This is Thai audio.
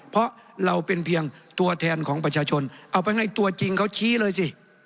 เพราะเราเป็นเพียงตัวแทนของประชาชนเอาไปไงตัวจริงเขาชี้เลยสิ